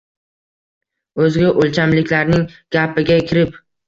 O‘zga o‘lchamliklarning gapiga kirib